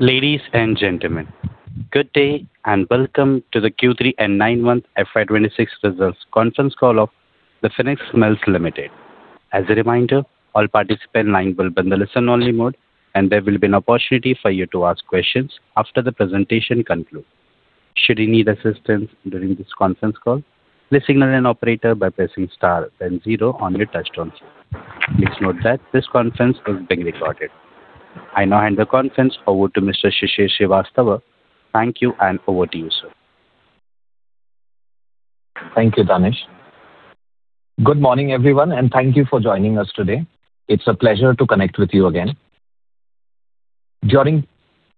Ladies and gentlemen, good day, and welcome to the Q3 and nine-month FY 2026 results conference call of The Phoenix Mills Limited. As a reminder, all participant line will be in the listen-only mode, and there will be an opportunity for you to ask questions after the presentation concludes. Should you need assistance during this conference call, please signal an operator by pressing star, then zero on your touchtone. Please note that this conference is being recorded. I now hand the conference over to Mr. Shishir Shrivastava. Thank you, and over to you, sir. Thank you, Danish. Good morning, everyone, and thank you for joining us today. It's a pleasure to connect with you again. During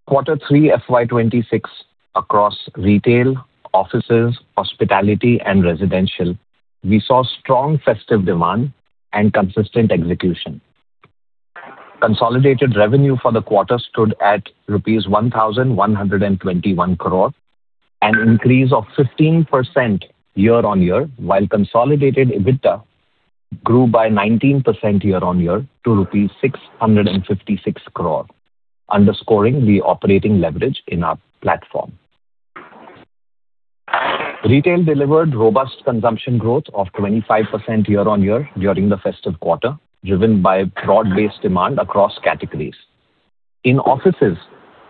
quarter 3 FY 2026 across retail, offices, hospitality, and residential, we saw strong festive demand and consistent execution. Consolidated revenue for the quarter stood at rupees 1,121 crore, an increase of 15% year-on-year, while consolidated EBITDA grew by 19% year-on-year to rupees 656 crore, underscoring the operating leverage in our platform. Retail delivered robust consumption growth of 25% year-on-year during the festive quarter, driven by a broad-based demand across categories. In offices,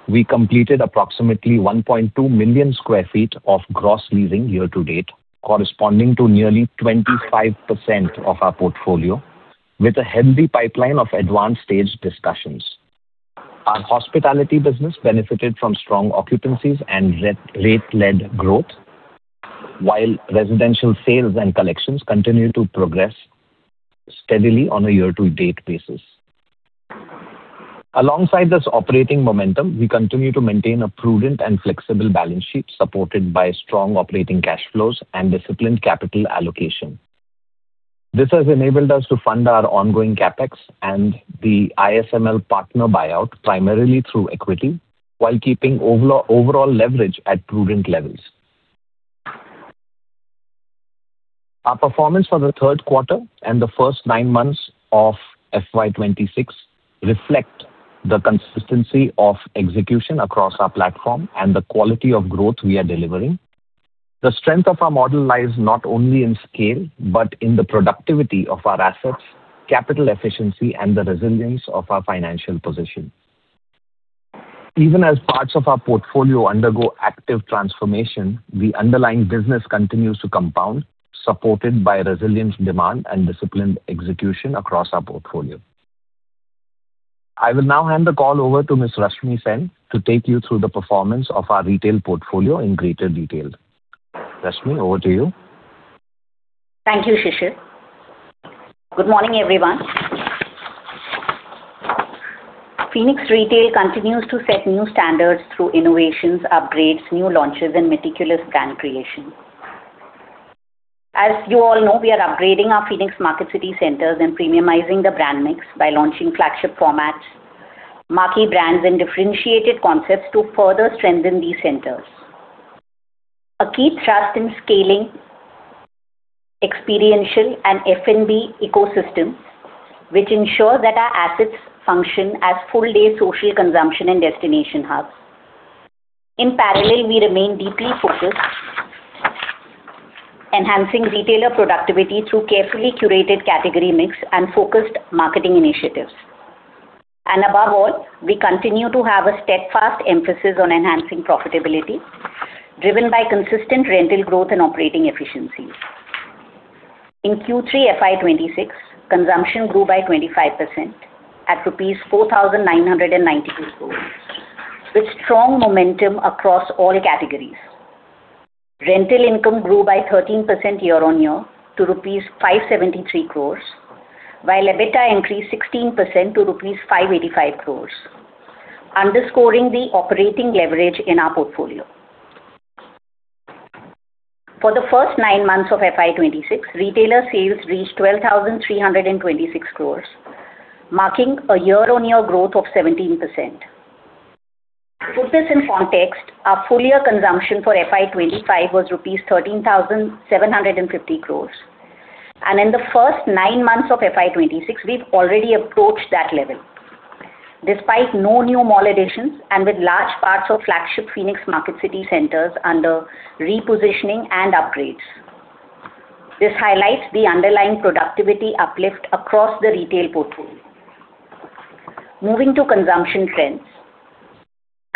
we completed approximately 1.2 million sq ft of gross leasing year to date, corresponding to nearly 25% of our portfolio, with a healthy pipeline of advanced stage discussions. Our hospitality business benefited from strong occupancies and re-rate-led growth, while residential sales and collections continued to progress steadily on a year-to-date basis. Alongside this operating momentum, we continue to maintain a prudent and flexible balance sheet, supported by strong operating cash flows and disciplined capital allocation. This has enabled us to fund our ongoing CapEx and the ISML partner buyout, primarily through equity, while keeping overall leverage at prudent levels. Our performance for the third quarter and the first nine months of FY 2026 reflect the consistency of execution across our platform and the quality of growth we are delivering. The strength of our model lies not only in scale, but in the productivity of our assets, capital efficiency, and the resilience of our financial position. Even as parts of our portfolio undergo active transformation, the underlying business continues to compound, supported by resilient demand and disciplined execution across our portfolio. I will now hand the call over to Ms. Rashmi Sen to take you through the performance of our retail portfolio in greater detail. Rashmi, over to you. Thank you, Shishir. Good morning, everyone. Phoenix Retail continues to set new standards through innovations, upgrades, new launches, and meticulous brand creation. As you all know, we are upgrading our Phoenix Marketcity centers and premiumizing the brand mix by launching flagship formats, marquee brands, and differentiated concepts to further strengthen these centers. A key thrust in scaling experiential and F&B ecosystems, which ensure that our assets function as full-day social consumption and destination hubs. In parallel, we remain deeply focused enhancing retailer productivity through carefully curated category mix and focused marketing initiatives. Above all, we continue to have a steadfast emphasis on enhancing profitability, driven by consistent rental growth and operating efficiencies. In Q3 FY 2026, consumption grew by 25% at rupees 4,992 crore, with strong momentum across all categories. Rental income grew by 13% year-on-year to rupees 573 crores, while EBITDA increased 16% to rupees 585 crores, underscoring the operating leverage in our portfolio. For the first nine months of FY 2026, retailer sales reached 12,326 crores, marking a year-on-year growth of 17%. To put this in context, our full year consumption for FY 2025 was rupees 13,750 crores, and in the first nine months of FY 2026, we've already approached that level, despite no new mall additions and with large parts of flagship Phoenix Marketcity centers under repositioning and upgrades. This highlights the underlying productivity uplift across the retail portfolio. Moving to consumption trends.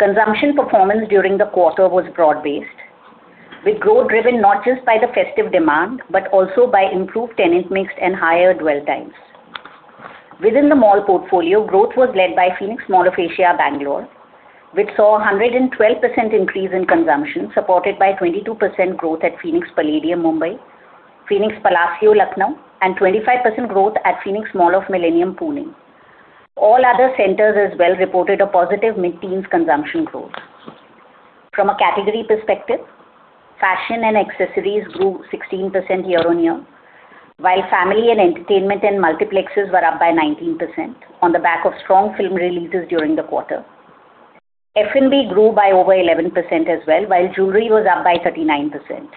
Consumption performance during the quarter was broad-based, with growth driven not just by the festive demand, but also by improved tenant mix and higher dwell times. Within the mall portfolio, growth was led by Phoenix Mall of Asia, Bengaluru, which saw a 112% increase in consumption, supported by 22% growth at Phoenix Palladium, Mumbai, Phoenix Palassio, Lucknow, and 25% growth at Phoenix Mall of the Millennium, Pune. All other centers as well reported a positive mid-teens consumption growth. From a category perspective, fashion and accessories grew 16% year-on-year, while family and entertainment and multiplexes were up by 19% on the back of strong film releases during the quarter. F&B grew by over 11% as well, while jewelry was up by 39%....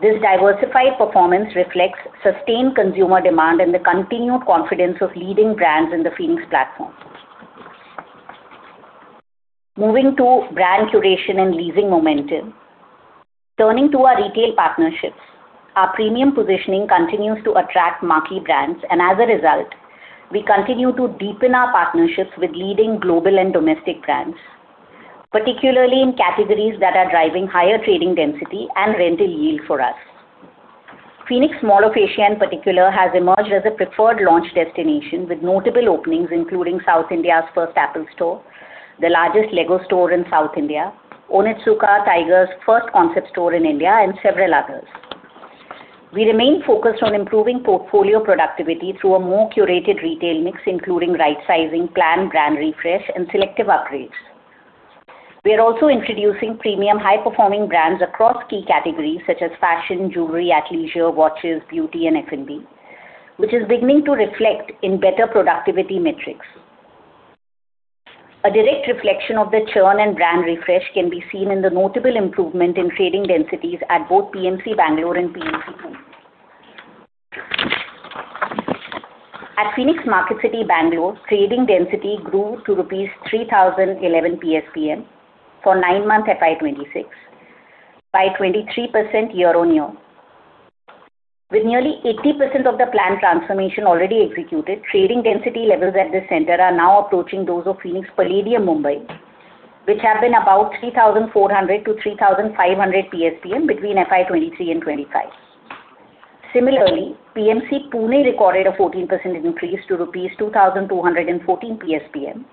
This diversified performance reflects sustained consumer demand and the continued confidence of leading brands in the Phoenix platform. Moving to brand curation and leasing momentum. Turning to our retail partnerships, our premium positioning continues to attract marquee brands, and as a result, we continue to deepen our partnerships with leading global and domestic brands, particularly in categories that are driving higher trading density and rental yield for us. Phoenix Mall of Asia, in particular, has emerged as a preferred launch destination, with notable openings, including South India's first Apple Store, the largest Lego store in South India, Onitsuka Tiger's first concept store in India, and several others. We remain focused on improving portfolio productivity through a more curated retail mix, including right-sizing, planned brand refresh, and selective upgrades. We are also introducing premium, high-performing brands across key categories such as fashion, jewelry, athleisure, watches, beauty, and F&B, which is beginning to reflect in better productivity metrics. A direct reflection of the churn and brand refresh can be seen in the notable improvement in trading densities at both PMC Bangalore and PMC Pune. At Phoenix Marketcity, Bangalore, trading density grew to 3,011 rupees PSPM for nine months FY 2026, by 23% year-on-year. With nearly 80% of the planned transformation already executed, trading density levels at this center are now approaching those of Phoenix Palladium, Mumbai, which have been about 3,400-3,500 PSPM between FY 2023 and 2025. Similarly, PMC Pune recorded a 14% increase to rupees 2,214 PSPM,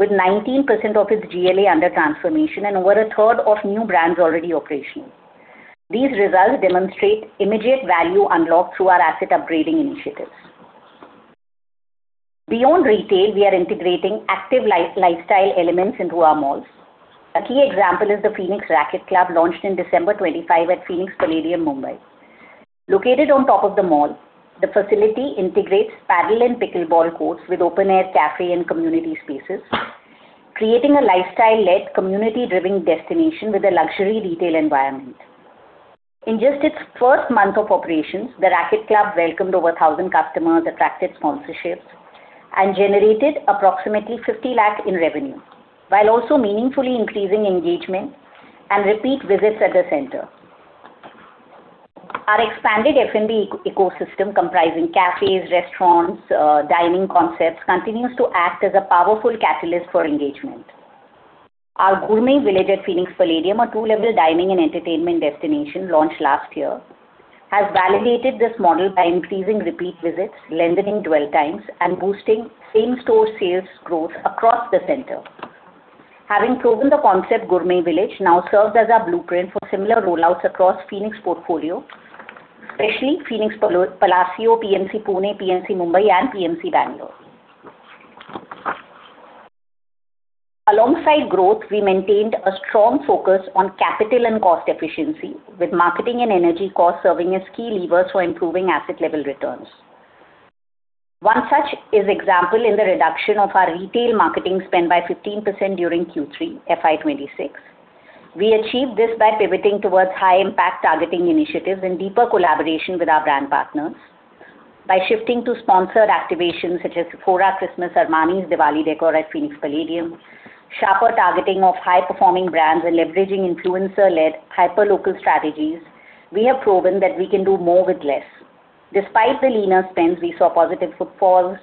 with 19% of its GLA under transformation and over a third of new brands already operational. These results demonstrate immediate value unlocked through our asset upgrading initiatives. Beyond retail, we are integrating active life-lifestyle elements into our malls. A key example is the Phoenix Racquet Club, launched in December 2025 at Phoenix Palladium, Mumbai. Located on top of the mall, the facility integrates padel and pickleball courts with open-air café and community spaces, creating a lifestyle-led, community-driven destination with a luxury retail environment. In just its first month of operations, the Racquet Club welcomed over 1,000 customers, attracted sponsorships, and generated approximately 50 lakh in revenue, while also meaningfully increasing engagement and repeat visits at the center. Our expanded F&B ecosystem, comprising cafes, restaurants, dining concepts, continues to act as a powerful catalyst for engagement. Our Gourmet Village at Phoenix Palladium, a two-level dining and entertainment destination launched last year, has validated this model by increasing repeat visits, lengthening dwell times, and boosting same-store sales growth across the center. Having proven the concept, Gourmet Village now serves as our blueprint for similar rollouts across Phoenix portfolio, especially Phoenix Palassio, PMC Pune, PMC Mumbai, and PMC Bangalore. Alongside growth, we maintained a strong focus on capital and cost efficiency, with marketing and energy costs serving as key levers for improving asset level returns. One such is example in the reduction of our retail marketing spend by 15% during Q3 FY 2026. We achieved this by pivoting towards high-impact targeting initiatives and deeper collaboration with our brand partners. By shifting to sponsored activations such as Coach Christmas, Armani's Diwali decor at Phoenix Palladium, sharper targeting of high-performing brands, and leveraging influencer-led, hyperlocal strategies, we have proven that we can do more with less. Despite the leaner spends, we saw positive footfalls,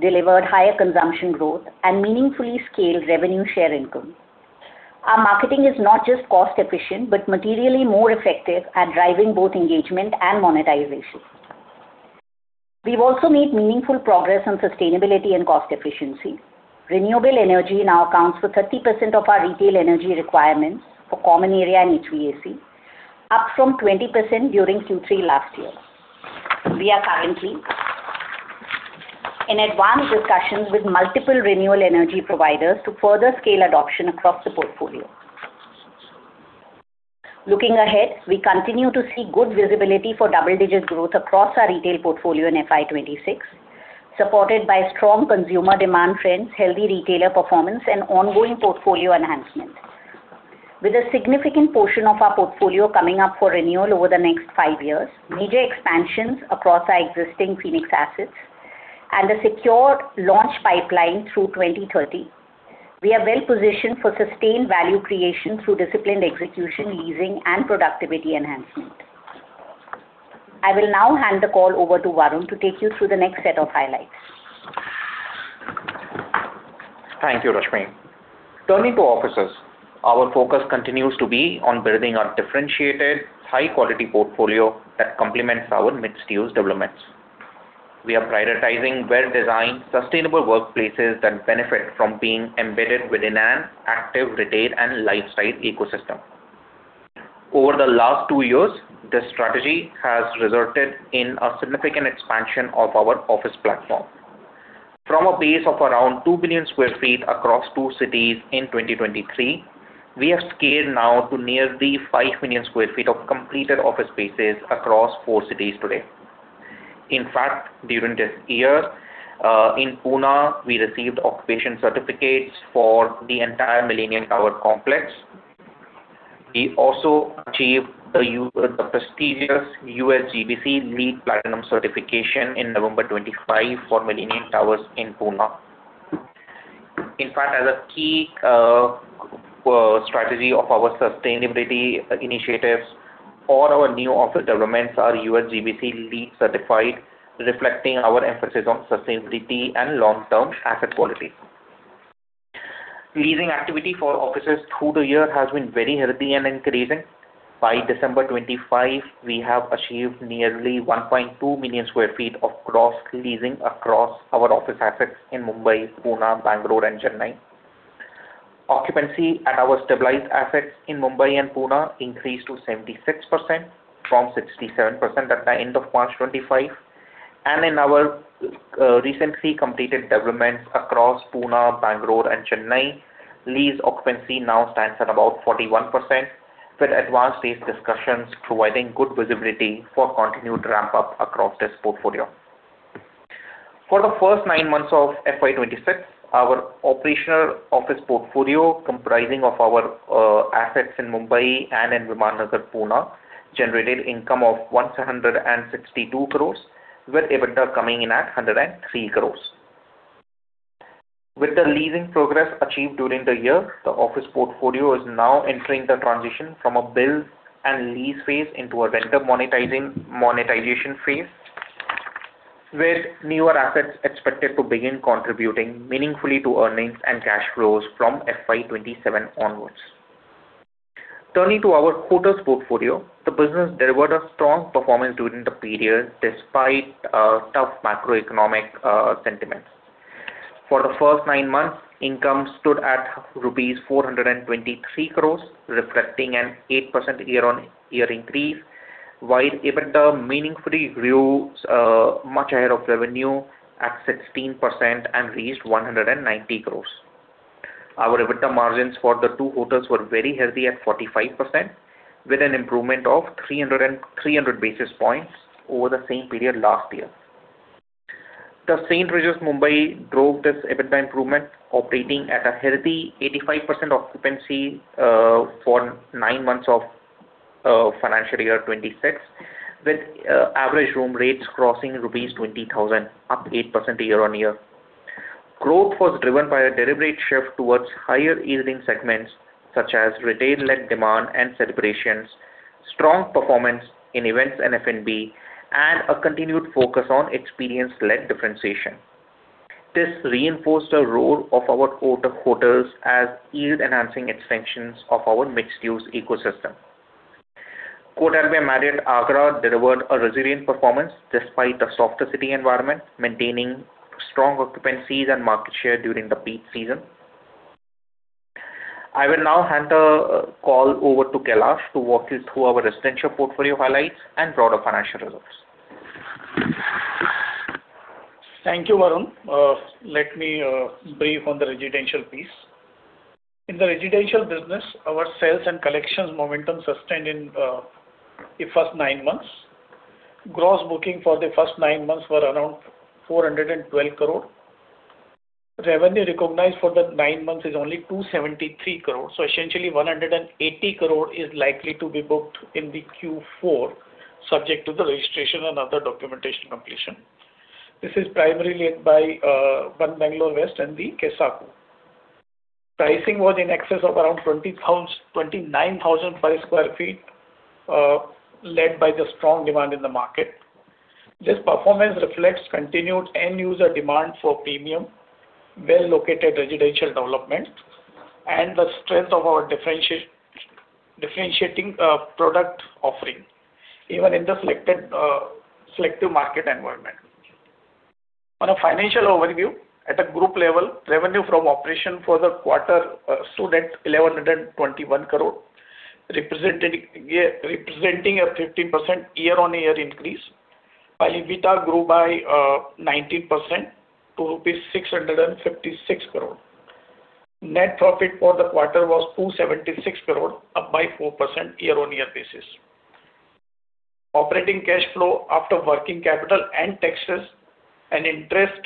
delivered higher consumption growth, and meaningfully scaled revenue share income. Our marketing is not just cost-efficient, but materially more effective at driving both engagement and monetization. We've also made meaningful progress on sustainability and cost efficiency. Renewable energy now accounts for 30% of our retail energy requirements for common area and HVAC, up from 20% during Q3 last year. We are currently in advanced discussions with multiple renewable energy providers to further scale adoption across the portfolio. Looking ahead, we continue to see good visibility for double-digit growth across our retail portfolio in FY 2026, supported by strong consumer demand trends, healthy retailer performance, and ongoing portfolio enhancement. With a significant portion of our portfolio coming up for renewal over the next 5 years, major expansions across our existing Phoenix assets, and a secure launch pipeline through 2030, we are well positioned for sustained value creation through disciplined execution, leasing, and productivity enhancement. I will now hand the call over to Varun to take you through the next set of highlights. Thank you, Rashmi. Turning to offices, our focus continues to be on building a differentiated, high-quality portfolio that complements our mixed-use developments. We are prioritizing well-designed, sustainable workplaces that benefit from being embedded within an active retail and lifestyle ecosystem. Over the last two years, this strategy has resulted in a significant expansion of our office platform. From a base of around 2 million sq ft across two cities in 2023, we have scaled now to nearly 5 million sq ft of completed office spaces across four cities today. In fact, during this year, in Pune, we received occupation certificates for the entire Millennium Towers complex. We also achieved the prestigious USGBC LEED Platinum certification in November 2025 for Millennium Towers in Pune. In fact, as a key strategy of our sustainability initiatives, all our new office developments are USGBC LEED certified, reflecting our emphasis on sustainability and long-term asset quality. Leasing activity for offices through the year has been very healthy and increasing. By December 2025, we have achieved nearly 1.2 million sq ft of gross leasing across our office assets in Mumbai, Pune, Bengaluru and Chennai. Occupancy at our stabilized assets in Mumbai and Pune increased to 76% from 67% at the end of March 2025, and in our recently completed developments across Pune, Bengaluru and Chennai, lease occupancy now stands at about 41%, with advanced lease discussions providing good visibility for continued ramp-up across this portfolio. For the first nine months of FY 2026, our operational office portfolio, comprising of our assets in Mumbai and in Viman Nagar, Pune, generated income of 162 crore, with EBITDA coming in at 103 crore. With the leasing progress achieved during the year, the office portfolio is now entering the transition from a build and lease phase into a rental monetization phase, with newer assets expected to begin contributing meaningfully to earnings and cash flows from FY 2027 onwards. Turning to our hotels portfolio, the business delivered a strong performance during the period, despite tough macroeconomic sentiments. For the first nine months, income stood at rupees 423 crore, reflecting an 8% year-on-year increase, while EBITDA meaningfully grew much ahead of revenue at 16%, and reached 190 crore. Our EBITDA margins for the two hotels were very healthy at 45%, with an improvement of 300 and 300 basis points over the same period last year. The St. Regis Mumbai drove this EBITDA improvement, operating at a healthy 85% occupancy for nine months of financial year 2026, with average room rates crossing rupees 20,000, up 8% year-on-year. Growth was driven by a deliberate shift towards higher-yielding segments, such as retail-led demand and celebrations, strong performance in events and F&B, and a continued focus on experience-led differentiation. This reinforced the role of our hotels as yield-enhancing extensions of our mixed-use ecosystem. Courtyard by Marriott Agra delivered a resilient performance despite the softer city environment, maintaining strong occupancies and market share during the peak season. I will now hand the call over to Kailash to walk you through our residential portfolio highlights and broader financial results. Thank you, Varun. Let me brief on the residential piece. In the residential business, our sales and collections momentum sustained in the first nine months. Gross booking for the first nine months were around 412 crore. Revenue recognized for the nine months is only 273 crore, so essentially 180 crore is likely to be booked in Q4, subject to the registration and other documentation completion. This is primarily led by One Bangalore West and the Kessaku. Pricing was in excess of around 29,000 per sq ft, led by the strong demand in the market. This performance reflects continued end-user demand for premium, well-located residential development, and the strength of our differentiating product offering, even in the selective market environment. On a financial overview, at a group level, revenue from operation for the quarter stood at 1,121 crore, representing a 15% year-on-year increase, while EBITDA grew by 19% to 656 crore. Net profit for the quarter was 276 crore, up by 4% year-on-year basis. Operating cash flow after working capital and taxes and interest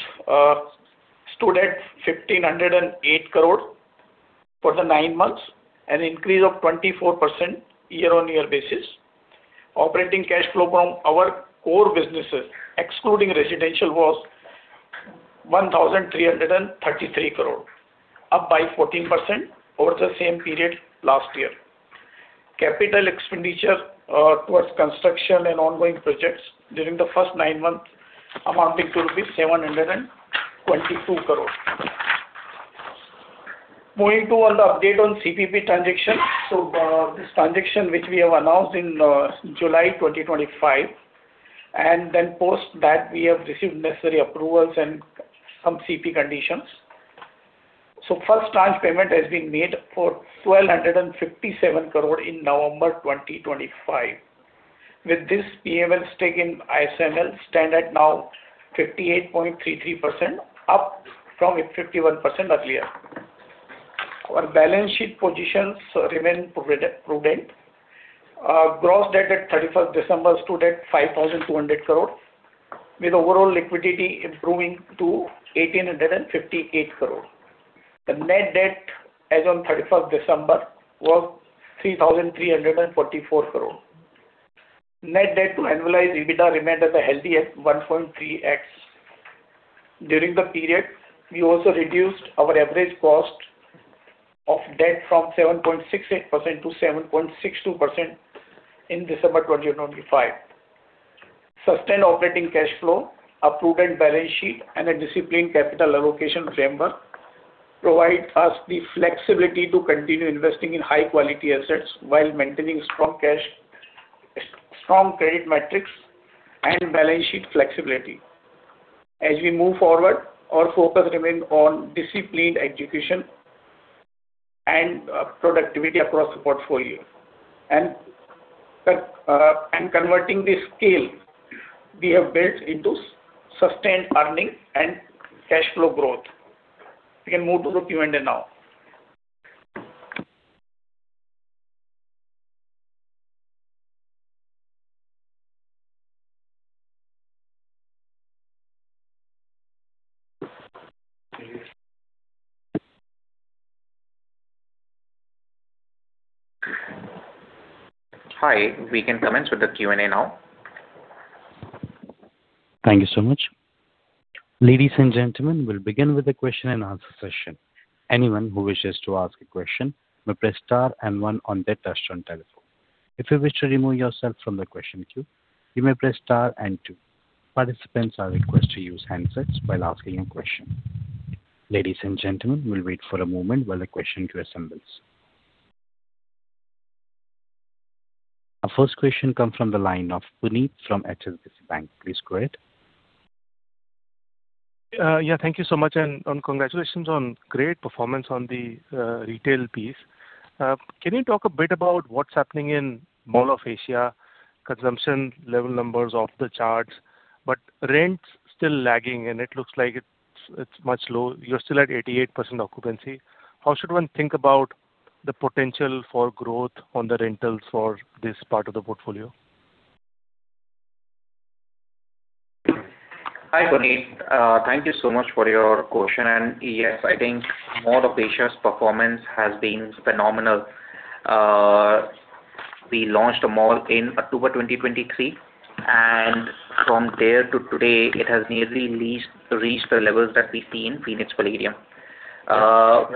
stood at 1,508 crore for the nine months, an increase of 24% year-on-year basis. Operating cash flow from our core businesses, excluding residential, was 1,333 crore, up by 14% over the same period last year. Capital expenditure towards construction and ongoing projects during the first nine months amounting to rupees 722 crore. Moving to on the update on CPP transaction. So, this transaction, which we have announced in July 2025, and then post that, we have received necessary approvals and some CP conditions. So first tranche payment has been made for 1,257 crore in November 2025. With this, PML stake in ISML stand at now 58.33%, up from a 51% earlier. Our balance sheet positions remain prudent. Gross debt at 31st December stood at 5,200 crore, with overall liquidity improving to 1,858 crore. The net debt as on 31st December was 3,344 crore. Net debt to annualized EBITDA remained at a healthy 1.3x. During the period, we also reduced our average cost of debt from 7.68% to 7.62% in December 2025. Sustained operating cash flow, a prudent balance sheet, and a disciplined capital allocation framework provide us the flexibility to continue investing in high quality assets while maintaining strong cash, strong credit metrics, and balance sheet flexibility. As we move forward, our focus remain on disciplined execution and productivity across the portfolio. And converting the scale we have built into sustained earning and cash flow growth. We can move to the Q&A now. Hi, we can commence with the Q&A now. Thank you so much. Ladies and gentlemen, we'll begin with the question and answer session. Anyone who wishes to ask a question, may press star and one on their touchtone telephone. If you wish to remove yourself from the question queue, you may press star and two. Participants are requested to use handsets while asking a question. Ladies and gentlemen, we'll wait for a moment while the question queue assembles. Our first question comes from the line of Puneet from HSBC Bank. Please go ahead. Yeah, thank you so much, and, congratulations on great performance on the retail piece. Can you talk a bit about what's happening in Mall of Asia? Consumption level numbers off the charts, but rents still lagging, and it looks like it's much low. You're still at 88% occupancy. How should one think about the potential for growth on the rentals for this part of the portfolio? Hi, Puneet. Thank you so much for your question. Yes, I think Mall of Asia's performance has been phenomenal. We launched a mall in October 2023, and from there to today, it has nearly leased, reached the levels that we see in Phoenix Palladium.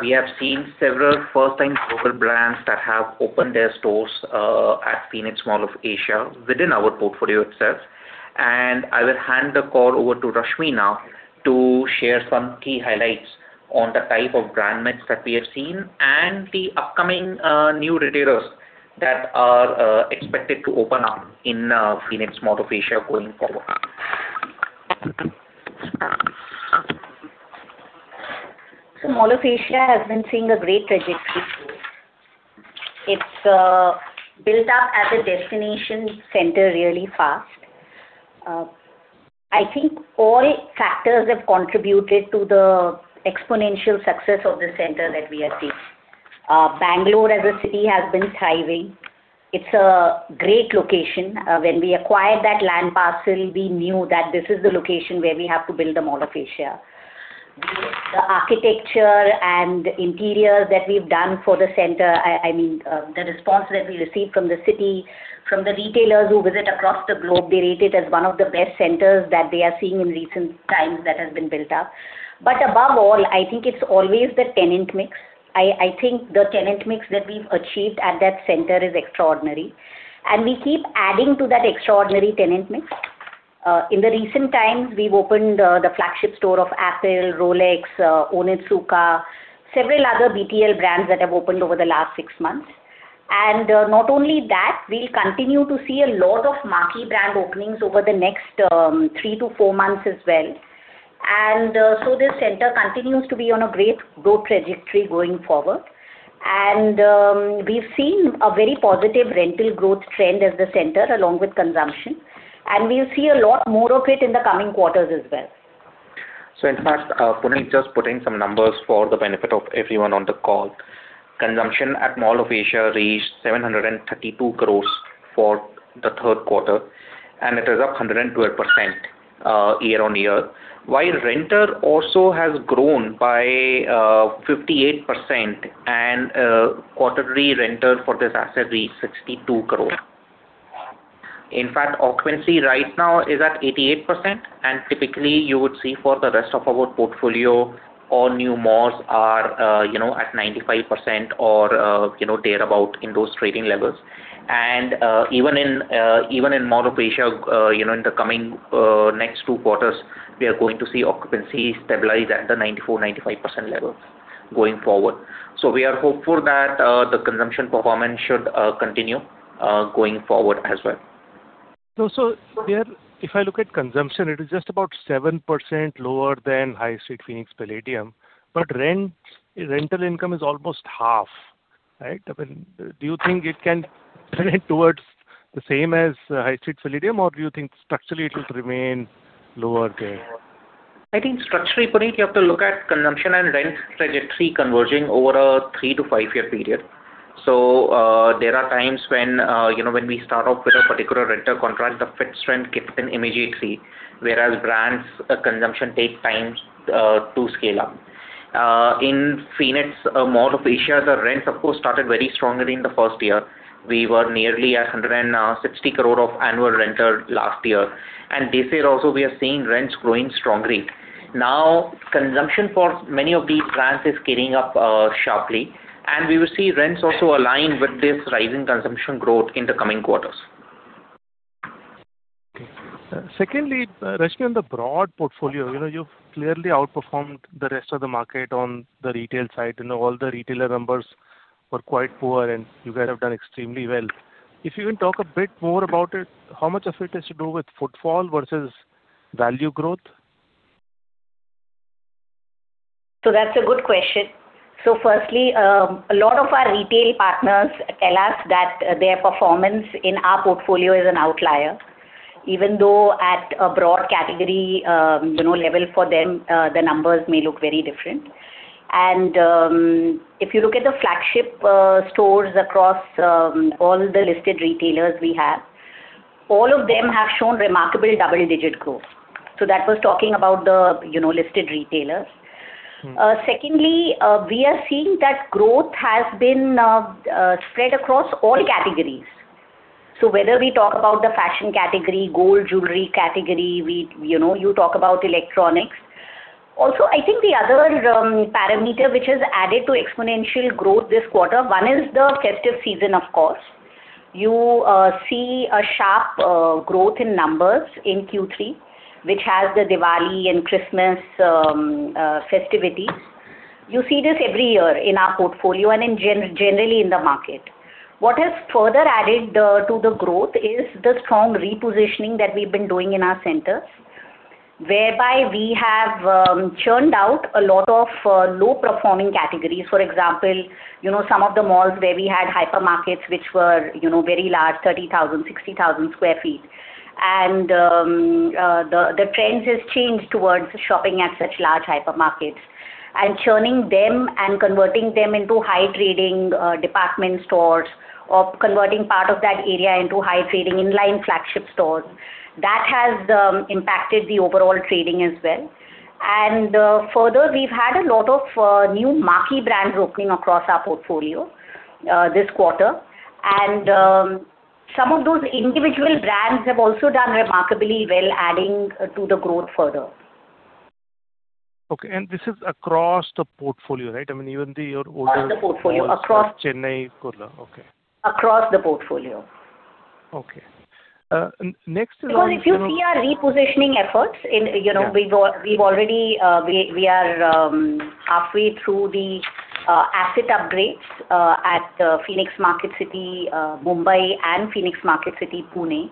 We have seen several first-time global brands that have opened their stores at Phoenix Mall of Asia, within our portfolio itself. I will hand the call over to Rashmi now, to share some key highlights on the type of brand mix that we have seen and the upcoming new retailers that are expected to open up in Phoenix Mall of Asia going forward. So Mall of Asia has been seeing a great trajectory. It's built up as a destination center really fast. I think all factors have contributed to the exponential success of the center that we are seeing. Bengaluru, as a city, has been thriving. It's a great location. When we acquired that land parcel, we knew that this is the location where we have to build the Mall of Asia. The architecture and interior that we've done for the center, I mean, the response that we received from the city, from the retailers who visit across the globe, they rate it as one of the best centers that they are seeing in recent times that has been built up. But above all, I think it's always the tenant mix. I think the tenant mix that we've achieved at that center is extraordinary, and we keep adding to that extraordinary tenant mix. In the recent times, we've opened the flagship store of Apple, Rolex, Onitsuka, several other BTL brands that have opened over the last six months. Not only that, we'll continue to see a lot of marquee brand openings over the next three to four months as well. So this center continues to be on a great growth trajectory going forward. We've seen a very positive rental growth trend as the center, along with consumption, and we'll see a lot more of it in the coming quarters as well. In fact, Puneet, just putting some numbers for the benefit of everyone on the call. Consumption at Phoenix Mall of Asia reached 732 crore for the third quarter, and it is up 112%, year-on-year. While renter also has grown by 58%, and quarterly renter for this asset is 62 crore. In fact, occupancy right now is at 88%, and typically you would see for the rest of our portfolio, all new malls are, you know, at 95% or, you know, thereabout in those trading levels. And even in even in Phoenix Mall of Asia, you know, in the coming next two quarters, we are going to see occupancy stabilize at the 94%-95% levels going forward. We are hopeful that the consumption performance should continue going forward as well. So, there, if I look at consumption, it is just about 7% lower than High Street Phoenix Palladium, but rent, rental income is almost half, right? I mean, do you think it can trend towards the same as High Street Palladium, or do you think structurally it will remain lower there? I think structurally, Puneet, you have to look at consumption and rent trajectory converging over a three to five-year period. So, there are times when, you know, when we start off with a particular renter contract, the fixed rent kicks in immediately, whereas brands, consumption takes time, to scale up. In Phoenix Mall of Asia, the rents, of course, started very strongly in the first year. We were nearly at 160 crore of annual rental last year, and this year also, we are seeing rents growing strongly. Now, consumption for many of these brands is scaling up, sharply, and we will see rents also align with this rising consumption growth in the coming quarters. Okay. Secondly, Rashmi, on the broad portfolio, you know, you've clearly outperformed the rest of the market on the retail side, and all the retailer numbers were quite poor, and you guys have done extremely well. If you can talk a bit more about it, how much of it has to do with footfall versus value growth? So that's a good question. So firstly, a lot of our retail partners tell us that their performance in our portfolio is an outlier, even though at a broad category, you know, level for them, the numbers may look very different. And, if you look at the flagship stores across all the listed retailers we have, all of them have shown remarkable double-digit growth. So that was talking about the, you know, listed retailers. Secondly, we are seeing that growth has been spread across all categories. So whether we talk about the fashion category, gold, jewelry category, we, you know, you talk about electronics. Also, I think the other parameter, which has added to exponential growth this quarter, one is the festive season, of course. You see a sharp growth in numbers in Q3, which has the Diwali and Christmas festivities. You see this every year in our portfolio and generally in the market. What has further added to the growth is the strong repositioning that we've been doing in our centers, whereby we have churned out a lot of low-performing categories. For example, you know, some of the malls where we had hypermarkets, which were, you know, very large, 30,000, 60,000 sq ft. And, the trends has changed towards shopping at such large hypermarkets. And churning them and converting them into high trading, department stores, or converting part of that area into high trading inline flagship stores, that has, impacted the overall trading as well. And, further, we've had a lot of, new marquee brands opening across our portfolio, this quarter. And, some of those individual brands have also done remarkably well, adding to the growth further. Okay. This is across the portfolio, right? I mean, even the, your older Across the portfolio. Chennai, Kolkata. Okay. Across the portfolio. Okay. Next is on, you know Because if you see our repositioning efforts in, you know Yeah we've already, we are halfway through the asset upgrades at the Phoenix Marketcity, Mumbai and Phoenix Marketcity, Pune,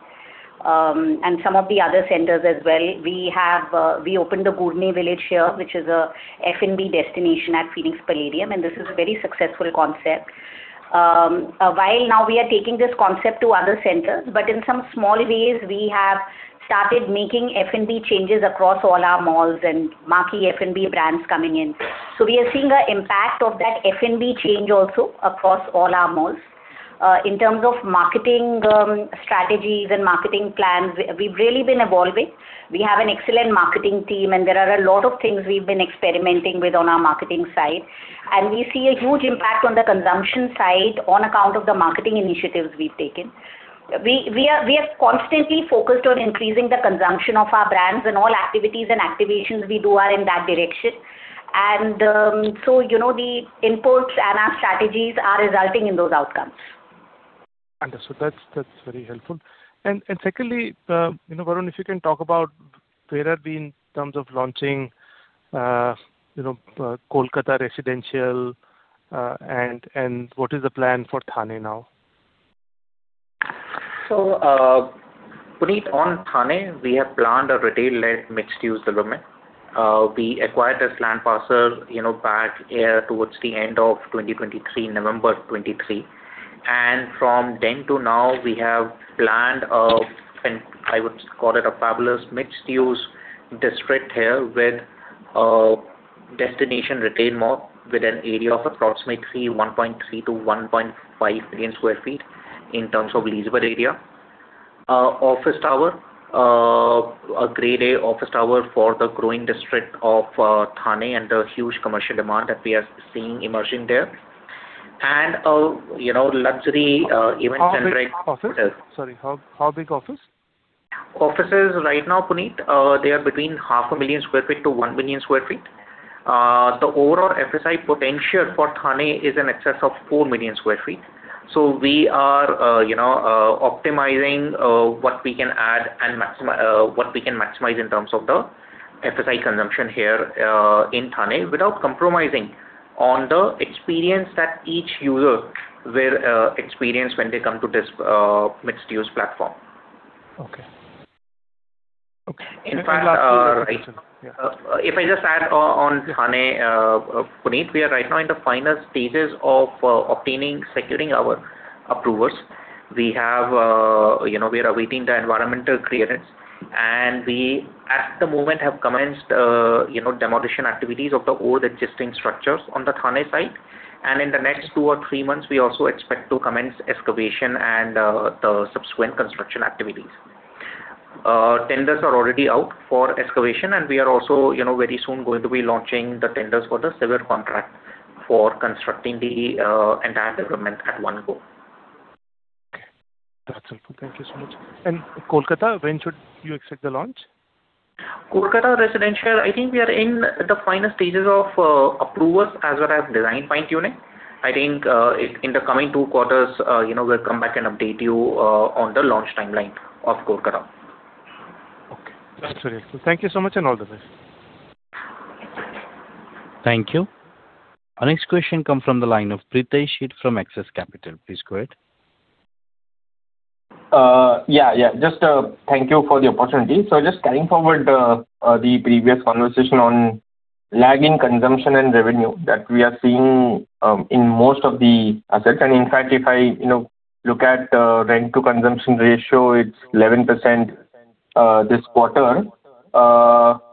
and some of the other centers as well. We have opened the Gourmet Village here, which is a F&B destination at Phoenix Palladium, and this is a very successful concept. While now we are taking this concept to other centers, but in some small ways, we have started making F&B changes across all our malls and marquee F&B brands coming in. So we are seeing the impact of that F&B change also across all our malls. In terms of marketing, strategies and marketing plans, we've really been evolving. We have an excellent marketing team, and there are a lot of things we've been experimenting with on our marketing side, and we see a huge impact on the consumption side on account of the marketing initiatives we've taken. We are constantly focused on increasing the consumption of our brands, and all activities and activations we do are in that direction. And, so, you know, the inputs and our strategies are resulting in those outcomes. Understood. That's, that's very helpful. And, and secondly, you know, Varun, if you can talk about where are we in terms of launching, you know, Kolkata Residential, and, and what is the plan for Thane now? So, Puneet, on Thane, we have planned a retail-led, mixed-use development. We acquired this land parcel, you know, back towards the end of 2023, November 2023. And from then to now, we have planned a, and I would call it a fabulous mixed-use district here, with a destination retail mall, with an area of approximately 1.3-1.5 million sq ft in terms of leasable area. Office tower, a Grade A office tower for the growing district of Thane and the huge commercial demand that we are seeing emerging there. And, you know, luxury, event-centric Sorry, how big office? Offices right now, Puneet, they are between 500,000 sq ft-1,000,000 sq ft. The overall FSI potential for Thane is in excess of 4 million sq ft. So we are, you know, optimizing what we can add and maximize in terms of the FSI consumption here, in Thane, without compromising on the experience that each user will experience when they come to this mixed-use platform. Okay. Okay. In fact, if I just add on, on Thane, Puneet, we are right now in the final stages of obtaining, securing our approvals. We have, you know, we are awaiting the environmental clearance, and we, at the moment, have commenced, you know, demolition activities of the old existing structures on the Thane site. And in the next two or three months, we also expect to commence excavation and, the subsequent construction activities. Tenders are already out for excavation, and we are also, you know, very soon going to be launching the tenders for the civil contract for constructing the, entire development at one go. Okay. That's helpful. Thank you so much. Kolkata, when should you expect the launch? Kolkata residential, I think we are in the final stages of approvals, as well as design fine-tuning. I think, in the coming 2 quarters, you know, we'll come back and update you on the launch timeline of Kolkata. Okay. That's very helpful. Thank you so much, and all the best. Thank you. Our next question comes from the line of Pritesh from Axis Capital. Please go ahead. Yeah, yeah. Just thank you for the opportunity. So just carrying forward the previous conversation on lag in consumption and revenue that we are seeing in most of the assets. And in fact, if I, you know, look at rent to consumption ratio, it's 11%, this quarter,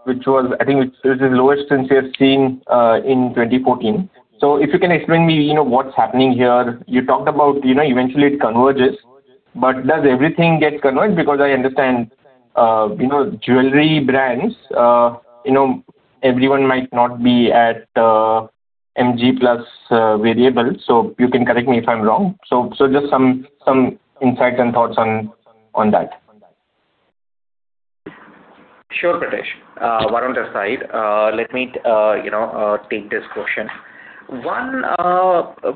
which was—I think it's, this is lowest since we have seen in 2014. So if you can explain me, you know, what's happening here. You talked about, you know, eventually it converges, but does everything get converged? Because I understand, you know, jewelry brands, you know, everyone might not be at MG plus variable. So you can correct me if I'm wrong. So just some insights and thoughts on that. Sure, Pritesh. Varun this side. Let me, you know, take this question. One,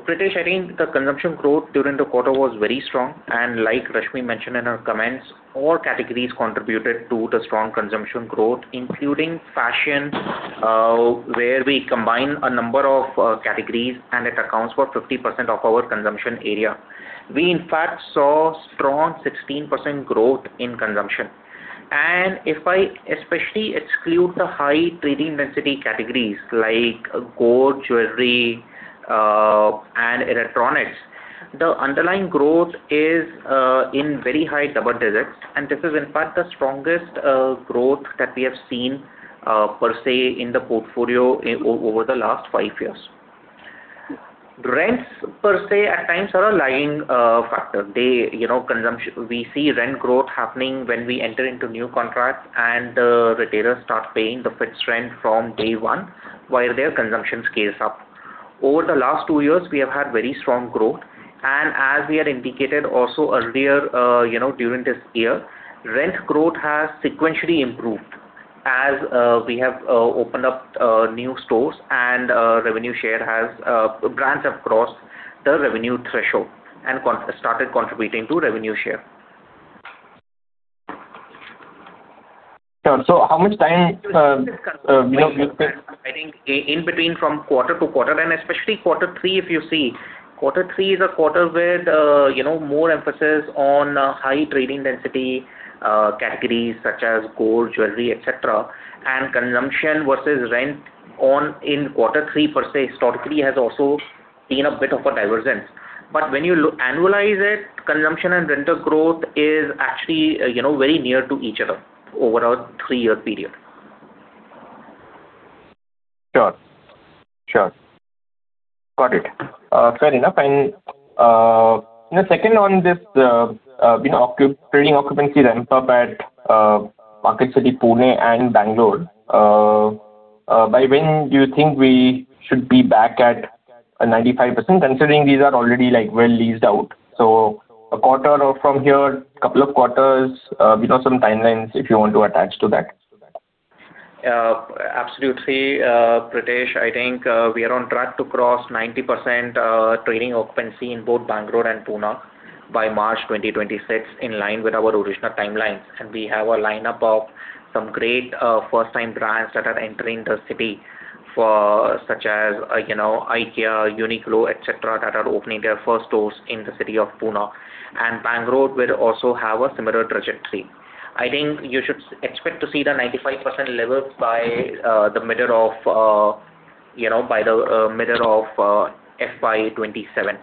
Pritesh, I think the consumption growth during the quarter was very strong, and like Rashmi mentioned in her comments, all categories contributed to the strong consumption growth, including fashion, where we combine a number of, categories, and it accounts for 50% of our consumption area. We, in fact, saw strong 16% growth in consumption. And if I especially exclude the high trading density categories, like gold, jewelry, and electronics, the underlying growth is, in very high double digits, and this is in fact the strongest, growth that we have seen, per se, in the portfolio over the last five years. Rents, per se, at times are an aligning factor. The, you know, consumption. We see rent growth happening when we enter into new contracts and the retailers start paying the fixed rent from day one, while their consumption scales up. Over the last two years, we have had very strong growth, and as we had indicated also earlier, you know, during this year, rent growth has sequentially improved as we have opened up new stores and revenue share has. Brands have crossed the revenue threshold and started contributing to revenue share. Sure. So how much time, you- I think in between from quarter to quarter, and especially quarter three, if you see, quarter three is a quarter with, you know, more emphasis on high trading density categories such as gold, jewelry, et cetera. And consumption versus rent on in quarter three, per se, historically, has also been a bit of a divergence. But when you annualize it, consumption and rental growth is actually, you know, very near to each other over a three-year period. Sure. Sure. Got it. Fair enough. And the second on this, you know, trading occupancy ramp up at Marketcity, Pune, and Bengaluru. By when do you think we should be back at 95%, considering these are already, like, well leased out? So a quarter or from here, couple of quarters, you know, some timelines, if you want to attach to that. Absolutely, Pritesh. I think, we are on track to cross 90%, trading occupancy in both Bangalore and Pune by March 2026, in line with our original timelines. And we have a lineup of some great, first-time brands that are entering the city for... such as, you know, IKEA, Uniqlo, et cetera, that are opening their first stores in the city of Pune. And Bangalore will also have a similar trajectory. I think you should expect to see the 95% levels by, the middle of, you know, by the, middle of, FY 2027.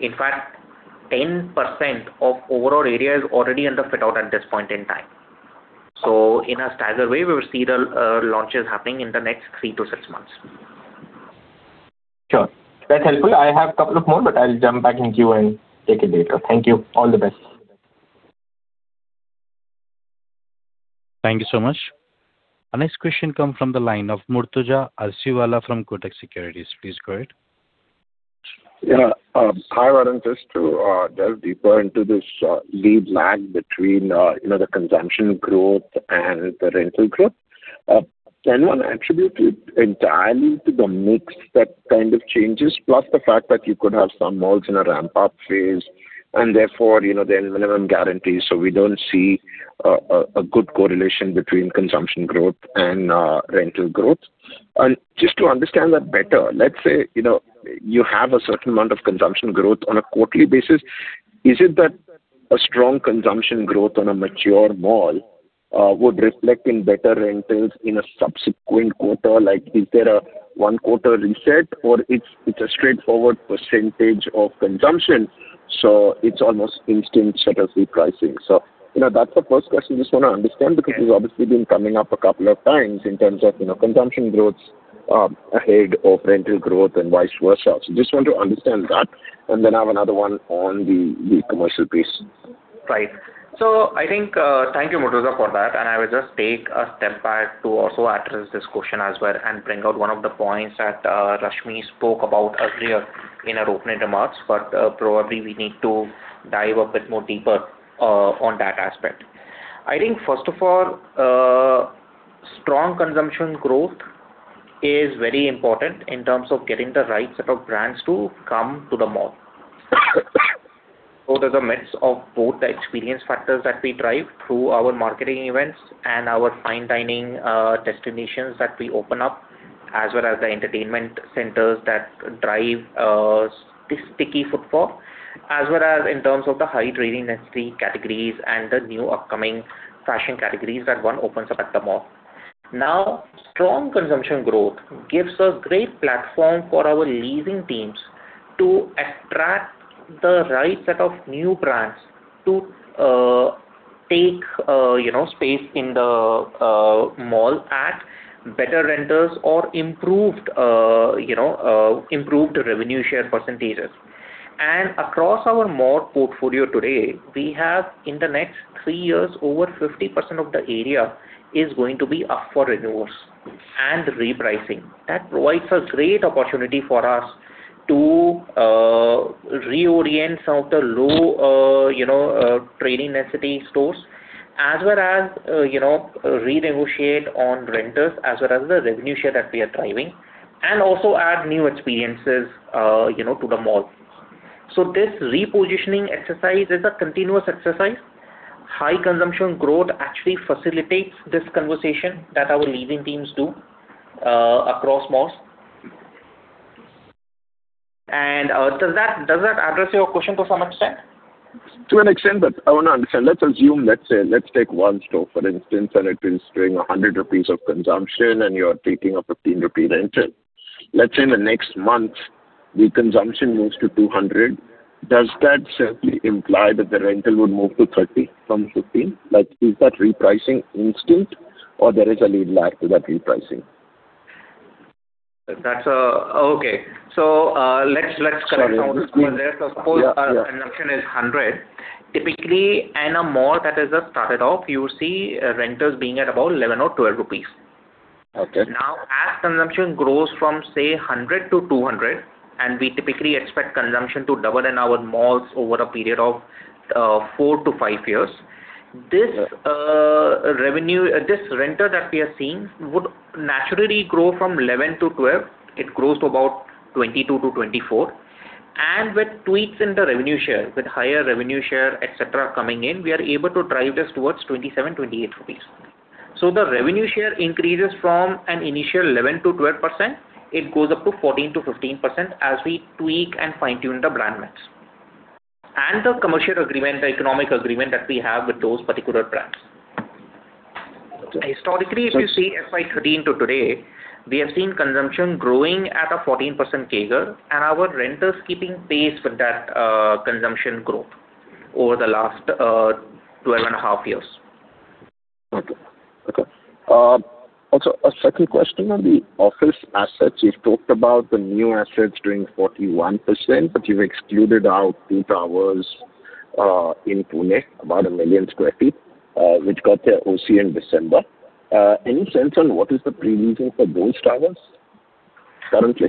In fact, 10% of overall area is already under fit-out at this point in time. So in a staggered way, we will see the, launches happening in the next 3-6 months. Sure. That's helpful. I have a couple of more, but I'll jump back in queue and take it later. Thank you. All the best. Thank you so much. Our next question come from the line of Murtuza Arsiwala from Kotak Securities. Please go ahead. Yeah. Hi, Varun. Just to delve deeper into this, lead lag between, you know, the consumption growth and the rental growth. Can one attribute it entirely to the mix that kind of changes, plus the fact that you could have some malls in a ramp-up phase, and therefore, you know, there are minimum guarantees, so we don't see a good correlation between consumption growth and rental growth? And just to understand that better, let's say, you know, you have a certain amount of consumption growth on a quarterly basis, is it that a strong consumption growth on a mature mall would reflect in better rentals in a subsequent quarter? Like, is there a one quarter reset, or it's a straightforward percentage of consumption, so it's almost instant set of repricing? So, you know, that's the first question I just wanna understand, because it's obviously been coming up a couple of times in terms of, you know, consumption growths ahead of rental growth and vice versa. So just want to understand that, and then I have another one on the commercial piece. Right. So I think, thank you, Murtuza, for that, and I will just take a step back to also address this question as well, and bring out one of the points that, Rashmi spoke about earlier in her opening remarks. But, probably we need to dive a bit more deeper, on that aspect. I think, first of all, strong consumption growth is very important in terms of getting the right set of brands to come to the mall. So the mix of both the experience factors that we drive through our marketing events and our fine dining, destinations that we open up, as well as the entertainment centers that drive, this sticky footfall, as well as in terms of the high trading necessary categories and the new upcoming fashion categories that one opens up at the mall. Now, strong consumption growth gives a great platform for our leasing teams to attract the right set of new brands to take you know space in the mall at better rentals or improved you know improved revenue share percentages. Across our mall portfolio today, we have, in the next three years, over 50% of the area is going to be up for renewals and repricing. That provides a great opportunity for us to reorient some of the low you know trading density stores, as well as you know renegotiate on rentals, as well as the revenue share that we are driving, and also add new experiences you know to the mall. This repositioning exercise is a continuous exercise. High consumption growth actually facilitates this conversation that our leasing teams do across malls. Does that address your question to some extent? To an extent, but I wanna understand. Let's assume, let's say, let's take one store, for instance, and it is doing 100 rupees of consumption, and you are taking a 15-rupee rental. Let's say in the next month, the consumption moves to 200. Does that simply imply that the rental would move to 30 from 15? Like, is that repricing instant or there is a lead lag to that repricing? That's okay. So, let's correct over there. Yeah, yeah. Suppose our consumption is 100, typically, in a mall that has just started off, you see, rentals being at about 11 or 12 rupees. Okay. Now, as consumption grows from, say, 100 to 200, and we typically expect consumption to double in our malls over a period of, four to five years, this, revenue, this rental that we are seeing would naturally grow from 11-12. It grows to about 22-24. And with tweaks in the revenue share, with higher revenue share, et cetera, coming in, we are able to drive this towards 27-28 rupees. So the revenue share increases from an initial 11%-12%. It goes up to 14%-15% as we tweak and fine-tune the brand mix, and the commercial agreement, the economic agreement that we have with those particular brands. Historically, if you see FY 2013 to today, we have seen consumption growing at a 14% CAGR, and our renters keeping pace with that, consumption growth over the last 12.5 years. Okay. Okay. Also a second question on the office assets. You've talked about the new assets doing 41%, but you've excluded out two towers in Pune, about 1 million sq ft, which got their OC in December. Any sense on what is the pre-leasing for those towers currently?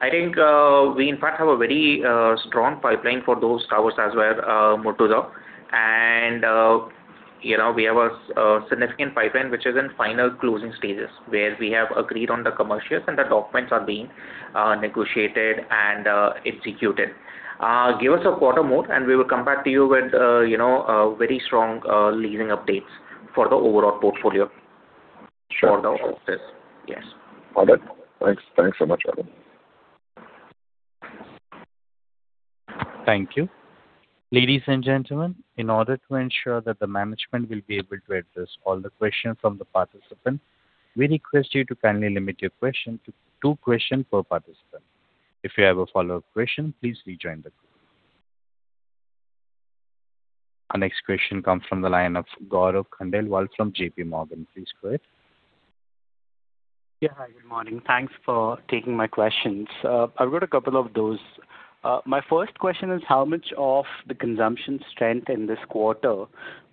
I think, we in fact, have a very strong pipeline for those towers as well, Murtuza. And, you know, we have a significant pipeline, which is in final closing stages, where we have agreed on the commercials and the documents are being negotiated and executed. Give us a quarter more, and we will come back to you with, you know, a very strong leasing updates for the overall portfolio Sure. For the office. Yes. Got it. Thanks. Thanks so much, Varun. Thank you. Ladies and gentlemen, in order to ensure that the management will be able to address all the questions from the participants, we request you to kindly limit your question to two question per participant. If you have a follow-up question, please rejoin the group. Our next question comes from the line of Gaurav Khandelwal from JPMorgan. Please go ahead. Yeah. Hi, good morning. Thanks for taking my questions. I've got a couple of those. My first question is, how much of the consumption strength in this quarter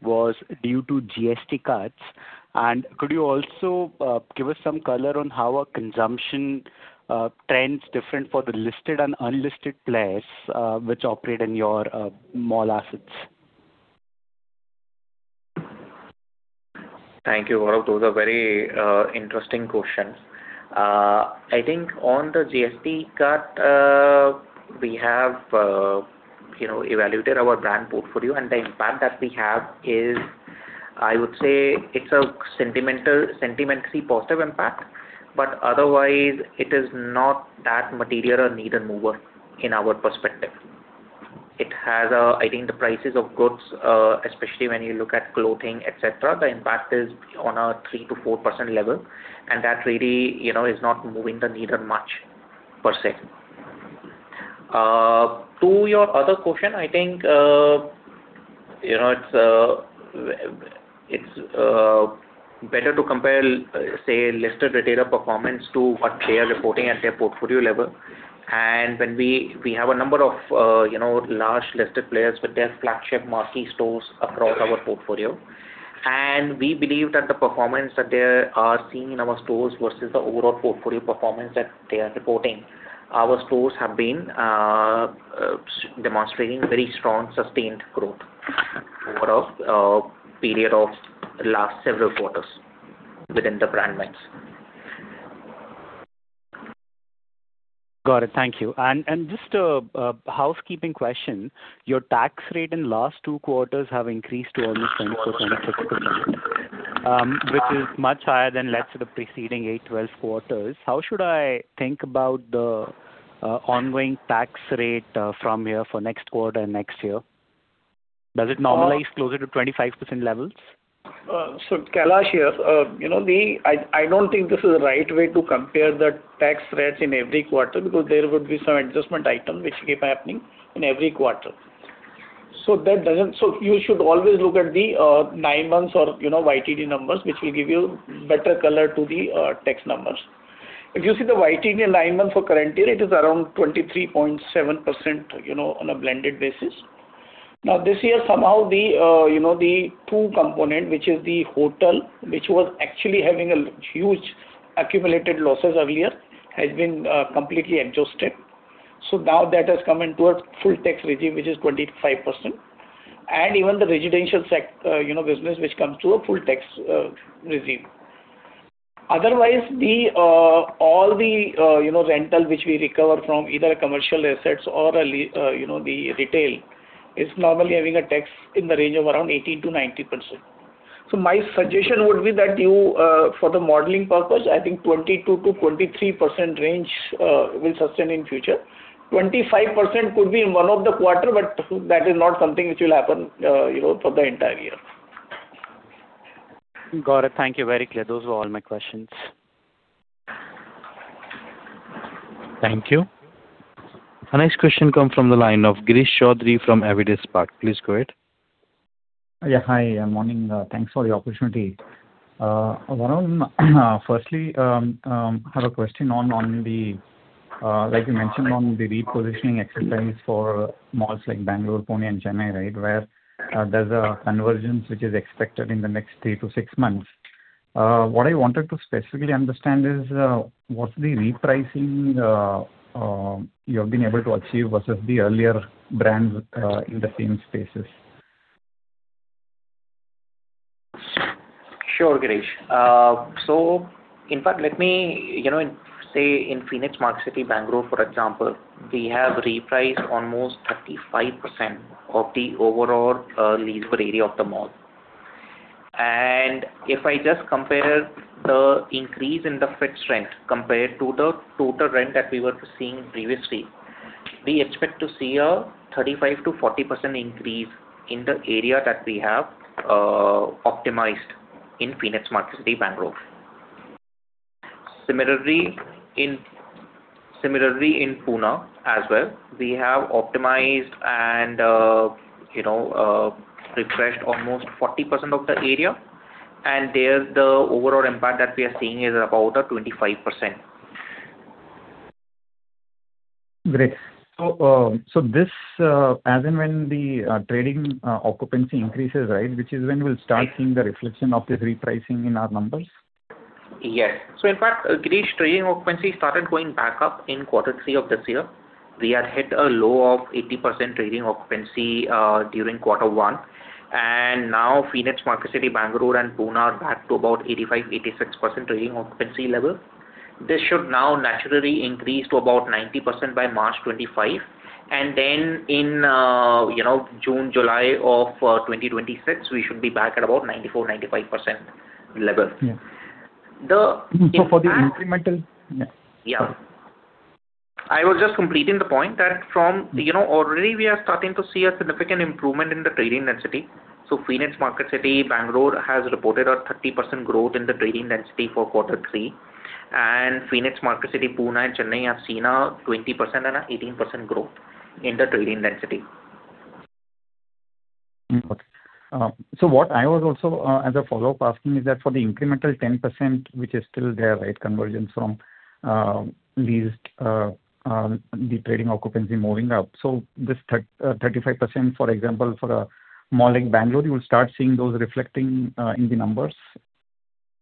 was due to GST cuts? And could you also give us some color on how our consumption trends different for the listed and unlisted players, which operate in your mall assets? Thank you, Gaurav. Those are very interesting questions. I think on the GST cut, we have, you know, evaluated our brand portfolio, and the impact that we have is, I would say it's a sentimental, sentimentally positive impact, but otherwise it is not that material a need mover in our perspective. It has a, I think, the prices of goods, especially when you look at clothing, et cetera, the impact is on a 3%-4% level, and that really, you know, is not moving the needle much per se. To your other question, I think, you know, it's better to compare, say, listed retailer performance to what they are reporting at their portfolio level. And when we, we have a number of, you know, large listed players with their flagship marquee stores across our portfolio. We believe that the performance that they are seeing in our stores versus the overall portfolio performance that they are reporting, our stores have been demonstrating very strong, sustained growth over a period of last several quarters within the brand mix. Got it. Thank you. And just a housekeeping question: Your tax rate in last two quarters have increased to almost 20%, which is much higher than, let's say, the preceding eight, twelve quarters. How should I think about the ongoing tax rate from here for next quarter and next year? Does it normalize closer to 25% levels? So, Kailash, here, you know, I, I don't think this is the right way to compare the tax rates in every quarter, because there would be some adjustment item which keep happening in every quarter. So that doesn't So you should always look at the nine months or, you know, YTD numbers, which will give you better color to the tax numbers. If you see the YTD nine months for current year, it is around 23.7%, you know, on a blended basis. Now, this year, somehow the, you know, the two component, which is the hotel, which was actually having a huge accumulated losses earlier, has been completely adjusted. So now that has come into a full tax regime, which is 25%. Even the residential sector, you know, business, which comes to a full tax regime. Otherwise, the overall, you know, rental which we recover from either commercial assets or, you know, the retail, is normally having a tax in the range of around 18%-19%. So my suggestion would be that you, for the modeling purpose, I think 22%-23% range will sustain in future. 25% could be in one of the quarter, but that is not something which will happen, you know, for the entire year. Got it. Thank you. Very clear. Those were all my questions. Thank you. Our next question comes from the line of Girish Chaudhary from Avendus. Please go ahead. Yeah. Hi, morning. Thanks for the opportunity. Varun, firstly, I have a question on the, like you mentioned on the repositioning exercise for malls like Bangalore, Pune and Chennai, right? Where, there's a convergence which is expected in the next three to six months. What I wanted to specifically understand is, what's the repricing you have been able to achieve versus the earlier brands in the same spaces? Sure, Girish. So in fact, let me, you know, say in Phoenix Marketcity, Bengaluru, for example, we have repriced almost 35% of the overall leasable area of the mall. If I just compare the increase in the fixed rent compared to the total rent that we were seeing previously, we expect to see a 35%-40% increase in the area that we have optimized in Phoenix Marketcity, Bengaluru. Similarly in Pune as well, we have optimized and, you know, refreshed almost 40% of the area, and there, the overall impact that we are seeing is about a 25%. Great. So, as and when the trading occupancy increases, right, which is when we'll start seeing the reflection of this repricing in our numbers? Yes. So in fact, Girish, trading occupancy started going back up in quarter three of this year. We had hit a low of 80% trading occupancy during quarter one, and now Phoenix Marketcity, Bangalore and Pune are back to about 85%-86% trading occupancy level. This should now naturally increase to about 90% by March 2025. And then in, you know, June, July of 2026, we should be back at about 94%-95% level. Yeah. The- So for the incremental? Yeah. I was just completing the point that from you know, already we are starting to see a significant improvement in the trading density. So Phoenix Marketcity, Bengaluru, has reported a 30% growth in the trading density for quarter three, and Phoenix Marketcity, Pune and Chennai, have seen a 20% and 18% growth in the trading density. Okay. So what I was also, as a follow-up, asking is that for the incremental 10%, which is still there, right, convergence from leased the trading occupancy moving up. So this 35%, for example, for a mall like Bengaluru, you will start seeing those reflecting in the numbers?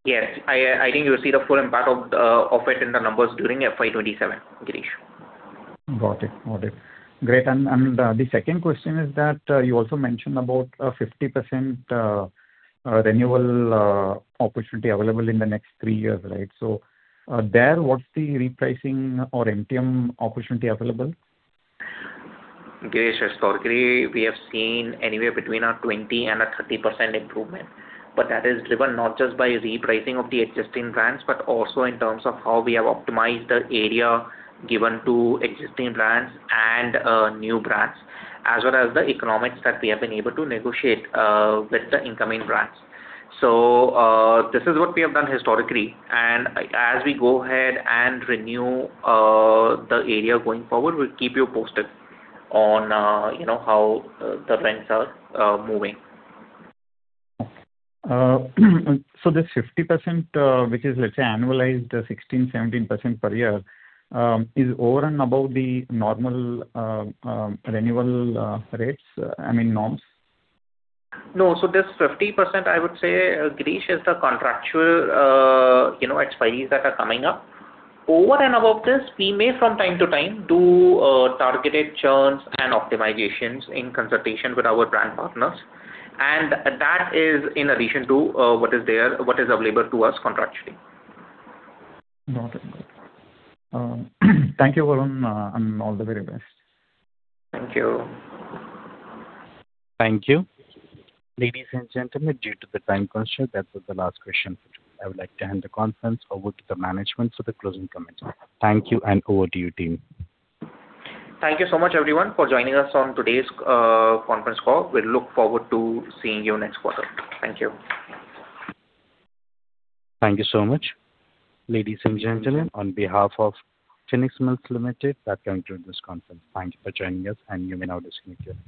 Yes. I think you'll see the full impact of it in the numbers during FY 2027, Girish. Got it. Got it. Great! And, and, the second question is that, you also mentioned about a 50% renewal opportunity available in the next three years, right? So, there, what's the repricing or MTM opportunity available? Girish, historically, we have seen anywhere between a 20% and 30% improvement, but that is driven not just by repricing of the existing brands, but also in terms of how we have optimized the area given to existing brands and new brands, as well as the economics that we have been able to negotiate with the incoming brands. So, this is what we have done historically, and as we go ahead and renew the area going forward, we'll keep you posted on, you know, how the rents are moving. So this 50%, which is, let's say, annualized 16%-17% per year, is over and above the normal renewal rates, I mean, norms? No. So this 50%, I would say, Girish, is the contractual, you know, expiries that are coming up. Over and above this, we may from time to time do targeted churns and optimizations in consultation with our brand partners, and that is in addition to what is there, what is available to us contractually. Got it. Got it. Thank you, Varun, and all the very best. Thank you. Thank you. Ladies and gentlemen, due to the time constraint, that was the last question. I would like to hand the conference over to the management for the closing comments. Thank you, and over to you, team. Thank you so much, everyone, for joining us on today's conference call. We look forward to seeing you next quarter. Thank you. Thank you so much. Ladies and gentlemen, on behalf of Phoenix Mills Limited, that concludes this conference. Thank you for joining us, and you may now disconnect your lines.